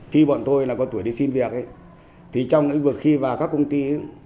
khi bọn tôi là con tuổi đi xin việc thì trong những vượt khi vào các công ty